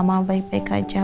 mama baik baik aja